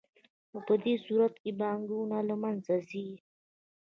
نو په دې صورت کې بانکونه له منځه ځي